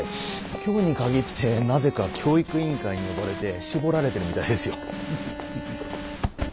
今日に限ってなぜか教育委員会に呼ばれてしぼられてるみたいですよ。